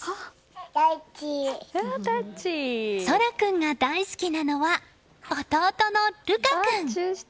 蒼空君が大好きなのは弟の瑠海君。